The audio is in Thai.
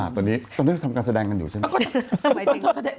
ตอนนี้เราทำการแสดงกันอยู่ใช่ไหม